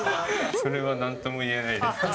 それはなんとも言えないです。